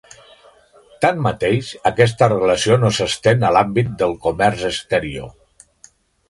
Tanmateix, aquesta relació no s'estén a l'àmbit del comerç exterior.